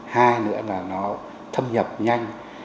hai nữa là nó thâm nhập nhanh